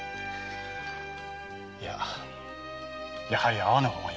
やはり会わぬ方がよい。